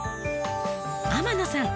天野さん